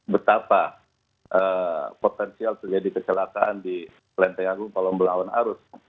betapa potensial terjadi kecelakaan di lenteng agung kalau melawan arus